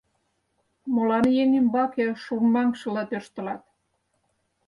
Молан еҥ ӱмбаке шурмаҥшыла тӧрштылат?